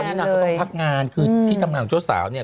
อันนี้นางก็ต้องพักงานคือที่ทำงานของเจ้าสาวเนี่ย